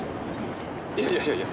いやいやいやいや